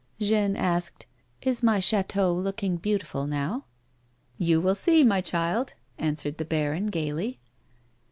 Jeanne asked :" Is my chateau looking beautiful now 1 "" You will see, my child," answered the baron, gaily.